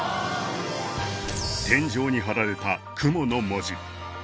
天井に貼られた雲の文字